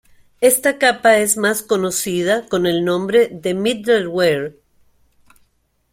Esta capa es más conocida con el nombre de Middleware.